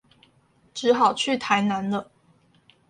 只好去台南了